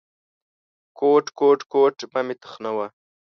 _کوټ، کوټ، کوټ… مه مې تخنوه.